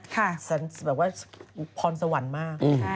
แบบว่าพรสวรรค์มาก